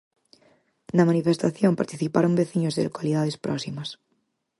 Na manifestación participaron veciños de localidades próximas.